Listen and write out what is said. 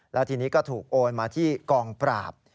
แล้วทีนี้ก็ถูกโอนมาที่กองปราบ